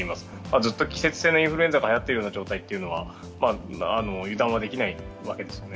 ずっと季節性のインフルエンザがはやっている状態は油断はできないわけですね。